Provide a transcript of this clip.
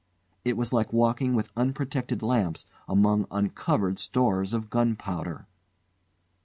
It was like walking with unprotected lamps among uncovered stores of gun powder.